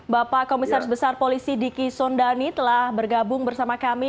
bapak komisaris besar polisi diki sondani telah bergabung bersama kami